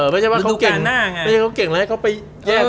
แต่ไม่อยากให้เขาแยกกล้องไปไม่ต้อง